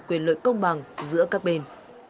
quyền lợi công bằng giữa các bên